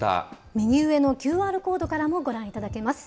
右上のＱＲコードからもご覧いただけます。